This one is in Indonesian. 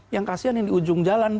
yang kasihan yang di ujung jalan